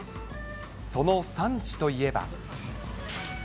その産地といえば。